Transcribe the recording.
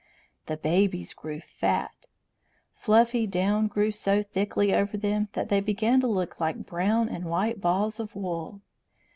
The babies grew fat. Fluffy down grew so thickly over them that they began to look like brown and white balls of wool.